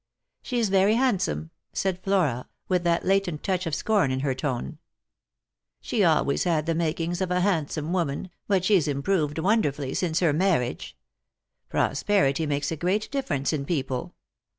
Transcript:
" She is very handsome," said Flora, with that latent touch of scorn in her tone. " She always had the makings of a handsome woman, but she's improved wonderfully since her marriage. Prosperity makes a great difference in people.